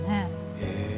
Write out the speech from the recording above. へえ。